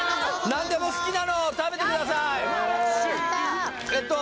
何でも好きなのを食べてくださいやった！